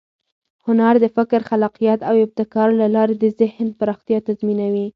هنر د فکر، خلاقیت او ابتکار له لارې د ذهن پراختیا تضمینوي.